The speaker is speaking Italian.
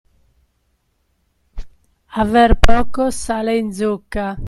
Aver poco sale in zucca.